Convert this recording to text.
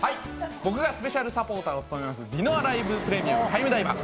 僕がスペシャルサポーターを務めます「ディアノライブ・プレミアム・タイムダイバー」